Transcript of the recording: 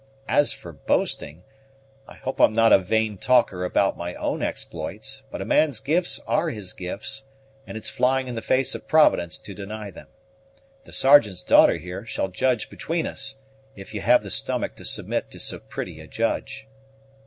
As for boasting, I hope I'm not a vain talker about my own exploits; but a man's gifts are his gifts, and it's flying in the face of Providence to deny them. The Sergeant's daughter, here, shall judge between us, if you have the stomach to submit to so pretty a judge."